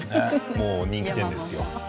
もう人気店ですよ。